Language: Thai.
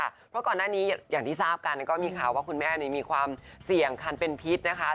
เพราะก่อนหน้านี้อย่างที่ทราบกันก็มีข่าวว่าคุณแม่มีความเสี่ยงคันเป็นพิษนะคะ